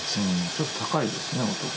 ちょっと高いですね音が。